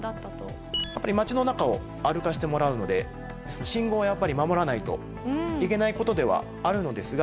やっぱり町の中を歩かせてもらうので信号はやっぱり守らないといけない事ではあるのですが。